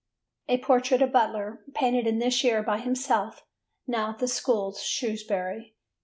A Portrait of Butler, painted in this year by himself, now at the Schools, Shrewsbury.